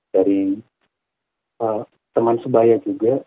dari teman sebayang juga